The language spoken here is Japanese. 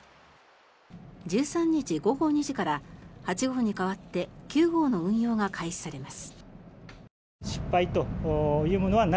１３日午後２時から８号に代わって９号の運用が開始されます。